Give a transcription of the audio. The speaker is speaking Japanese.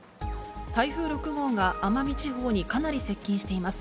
台風６号が奄美地方にかなり接近しています。